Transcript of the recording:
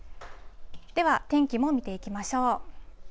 では、天気も見ていきましょう。